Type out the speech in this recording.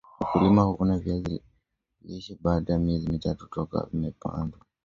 mkulima huvuna viazi lishe baada ya miezi mitatu toka vimepandwa